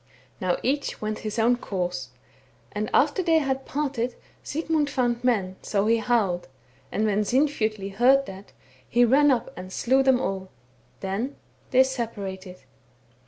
Now each went his own course ; and after that they had parted Sigmund found men, so he howled ; and when Sinfjotli heard that, he ran up and slew them all — then they separated.